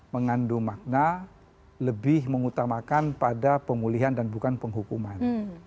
mengandung makna lebih mengutamakan pada pemulihan dan bukan penghukuman